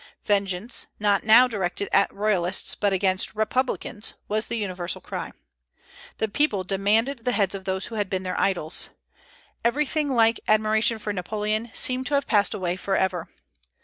Vengeance, not now directed against Royalists but against Republicans, was the universal cry; the people demanded the heads of those who had been their idols. Everything like admiration for Napoleon seemed to have passed away forever.